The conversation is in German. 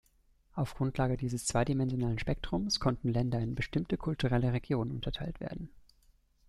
Auf Grundlage dieses zweidimensionalen Spektrums konnten Länder in bestimmte kulturelle Regionen unterteilt werden.